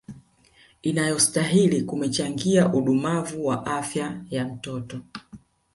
inayostahili kumechangia udumavu wa afyaya mtoto